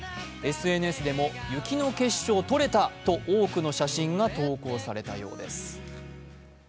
ＳＮＳでも、雪の結晶撮れたと多くの写真が投稿されたようです。